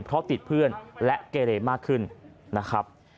เพราะติดเพื่อนและเกเรมากขึ้นนะครับ